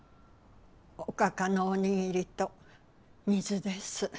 おかかのおにぎりと水です。